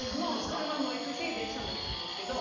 車も行くし電車も行くんですけど。